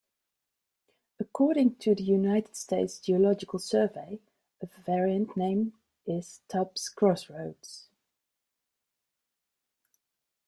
According to the United States Geological Survey, a variant name is "Tubbs Cross Roads".